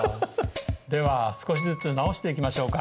では少しずつ直していきましょうか。